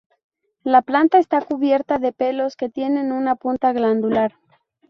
La planta está cubierta de pelos que tienen una punta glandular.